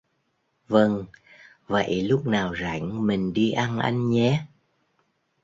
Vâng vậy Lúc nào rảnh mình đi ăn anh nhé